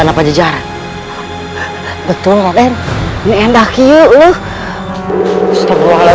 kenapa tak tuncang pak mat